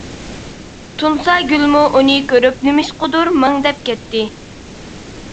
تۇنساگۈلمۇ ئۇنى كۆرۈپ نېمىشقىدۇر مەڭدەپ كەتتى.